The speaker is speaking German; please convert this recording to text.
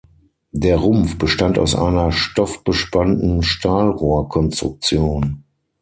Der Rumpf bestand aus einer stoffbespannten Stahlrohrkonstruktion.